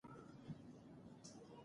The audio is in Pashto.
د نجونو زده کړه هڅې منظموي.